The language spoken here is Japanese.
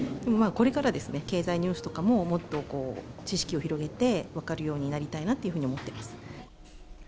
これからですね、経済ニュースとかももっとこう、知識を広げて、分かるようになりたいなというふうに思ってます。